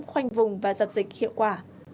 khoanh vùng và dập dịch hiệu quả